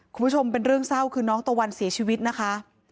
คุณผู้ชมเป็นเรื่องเศร้าคือน้องตะวันเสียชีวิตนะคะ